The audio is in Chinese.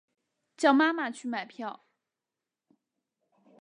叫妈妈去买票